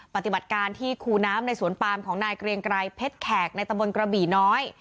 ปฏิบัติการที่คูน้ำในสวนปามของนายเกรียงไกรเพชรแขกในตะบนกระบี่น้อย